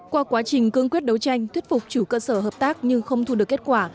qua quá trình cương quyết đấu tranh thuyết phục chủ cơ sở hợp tác nhưng không thu được kết quả